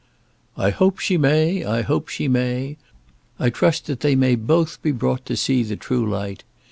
"I hope she may, I hope she may. I trust that they may both be brought to see the true light.